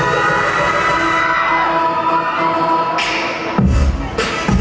ไม่ต้องถามไม่ต้องถาม